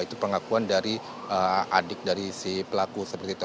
itu pengakuan dari adik dari si pelaku seperti itu